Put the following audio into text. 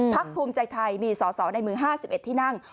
ภูมิใจไทยมีสอสอในมือ๕๑ที่นั่ง